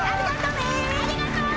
ありがとね！